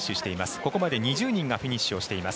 ここまで２０人がフィニッシュをしています。